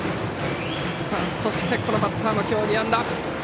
そして、このバッターも今日２安打。